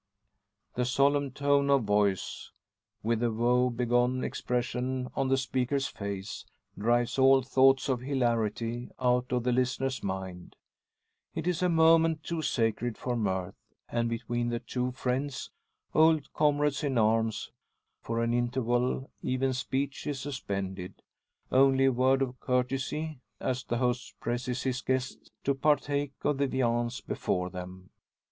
The solemn tone of voice, with the woe begone expression on the speaker's face, drives all thoughts of hilarity out of the listener's mind. It is a moment too sacred for mirth; and between the two friends, old comrades in arms, for an interval even speech is suspended; only a word of courtesy as the host presses his guest to partake of the viands before them.